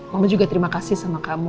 mama juga terima kasih sama kamu